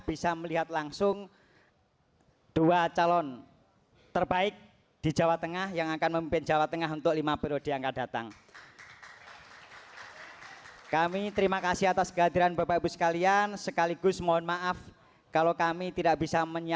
baik langsung kami sebut panelis untuk debat malam ini